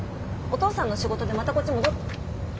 お父さんの仕事でまたこっち戻っ。